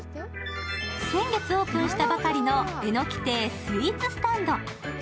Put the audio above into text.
先月オープンしたばかりのえの木ていスイーツスタンド。